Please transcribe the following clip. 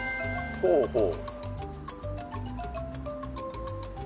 ほうほう。